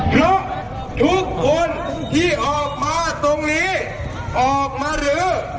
ทุกทุกคนที่ออกมาตรงนี้ออกมาหรือ